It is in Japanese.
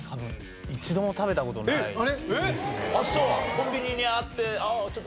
コンビニにあってあっ